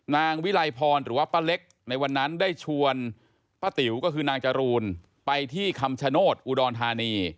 นางวิลัยพรหรือว่าป้าเล็กในวันนั้นได้ชวนป้าติ๋วก็คือนางจรูนไปที่คำชโนธอุดรธานี